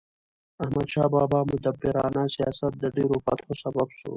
احمدشاه بابا مدبرانه سیاست د ډیرو فتحو سبب سو.